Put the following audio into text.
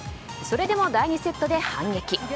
それでも第２セットで反撃。